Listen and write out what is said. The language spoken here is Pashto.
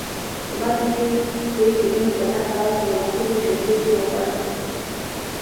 په متن کې دې فعلونه په نښه او په مناسبو جملو کې وکاروئ.